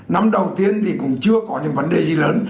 năm đầu tiên thì cũng chưa có những vấn đề gì lớn